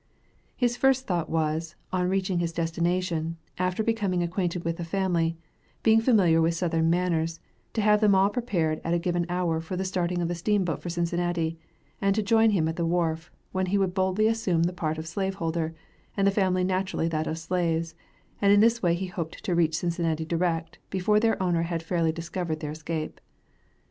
His first thought was, on reaching his destination, after becoming acquainted with the family, being familiar with Southern manners, to have them all prepared at a given hour for the starting of the steamboat for Cincinnati, and to join him at the wharf, when he would boldly assume the part of a slaveholder, and the family naturally that of slaves, and in this way he hoped to reach Cincinnati direct, before their owner had fairly discovered their escape.